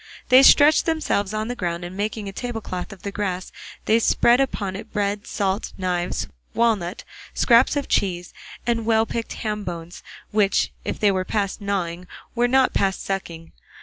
They stretched themselves on the ground, and making a tablecloth of the grass they spread upon it bread, salt, knives, walnut, scraps of cheese, and well picked ham bones which if they were past gnawing were not past sucking.